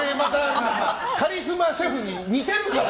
カリスマシェフに似てるから！